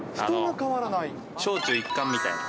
小中一貫みたいな。